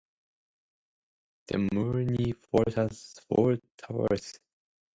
The Morni fort has four towers.